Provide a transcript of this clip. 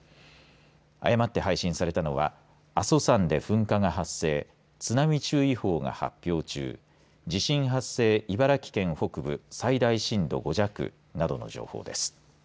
誤って配信されたのは阿蘇山で噴火が発生津波注意報が発表中地震発生、茨城県北部最大震度５弱などの情報です。